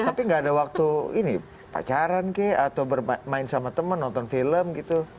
tapi nggak ada waktu pacaran ke atau bermain sama temen nonton film gitu